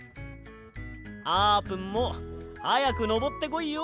あーぷんもはやくのぼってこいよ！